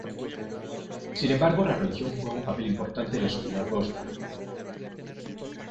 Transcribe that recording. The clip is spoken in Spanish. Sin embargo, la religión juega un papel importante en sociedad bosnia.